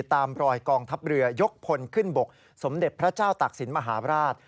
ตามรอยกองทัพเรือยกพลขึ้นบกสมเด็จพระเจ้าตักศิลปมหาราช